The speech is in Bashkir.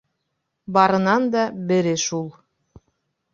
Барынан да бере шул: